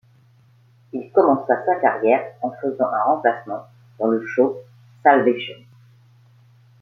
Il commença sa carrière en faisant un remplacement dans le show Salvation.